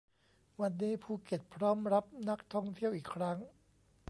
วันนี้ภูเก็ตพร้อมรับนักท่องเที่ยวอีกครั้ง